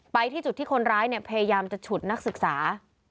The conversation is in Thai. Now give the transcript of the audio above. ไปที่จุดที่คนร้ายเนี่ยพยายามจะฉุดนักศึกษา